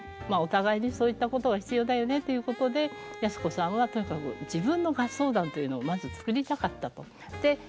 まあお互いにそういったことが必要だよねということで靖子さんはとにかく自分の合奏団というのをまず作りたかったと。